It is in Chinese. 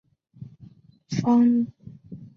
葵芳邨。